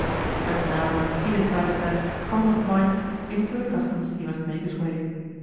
But now he decided that, come what might, into the Customs he must make his way.